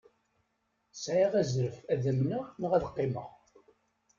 Sɛiɣ azref ad amneɣ neɣ ad qqimeɣ.